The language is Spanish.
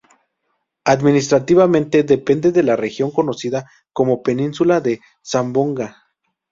Administrativamente depende de la Región conocida como Península de Zamboanga.